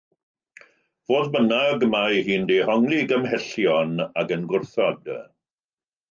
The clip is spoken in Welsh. Fodd bynnag, mae hi'n dehongli ei gymhellion ac yn gwrthod.